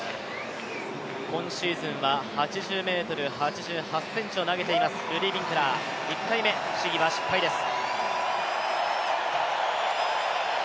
今シーズンは８０ｍ８８ｃｍを投げていますルディー・ウィンクラー１回目、試技は失敗です。